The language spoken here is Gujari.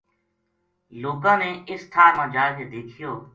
لوکاں نے اس ٹھار ما جا کے دیکھیو